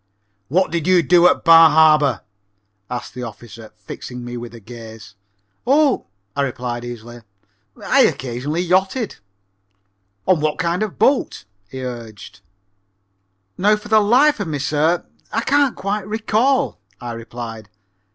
"What did you do at Bar Harbor?" asked the officer, fixing me with his gaze. "Oh," I replied easily, "I occasionally yachted." "On what kind of a boat?" he urged. "Now for the life of me, sir, I can't quite recall," I replied.